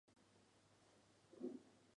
营造工程